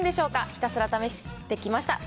ひたすら試してきました。